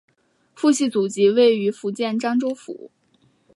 父系祖籍位于福建漳州府。